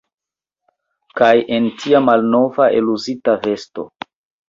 Kaj en tia malnova, eluzita vesto!